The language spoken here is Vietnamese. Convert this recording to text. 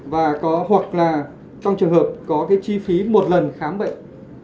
và có hoặc là trong trường hợp có cái chi phí một lần khám bệnh